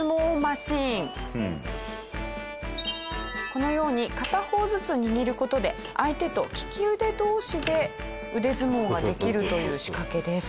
このように片方ずつ握る事で相手と利き腕同士で腕相撲ができるという仕掛けです。